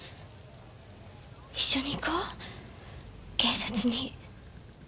一緒に行こう警察に。